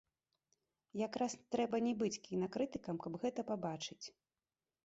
Якраз трэба не быць кінакрытыкам, каб гэта пабачыць.